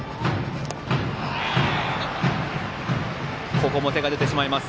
ここも手が出てしまいます。